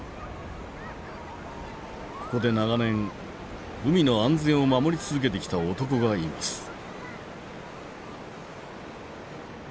ここで長年海の安全を守り続けてきた男がいます。